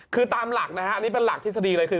คือตามหลักนะฮะอันนี้เป็นหลักทฤษฎีเลยคือ